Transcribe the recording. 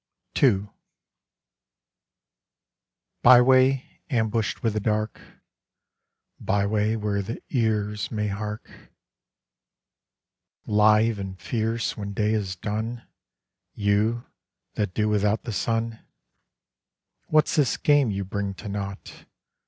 II Byway, ambushed with the dark, Byway, where the ears may hark; Live and fierce when day is done, You, that do without the Sun: What's this game you bring to nought?